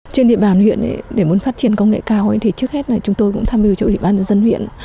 trên địa bàn huyện để muốn phát triển công nghệ cao thì trước hết là chúng tôi cũng tham mưu cho ủy ban dân huyện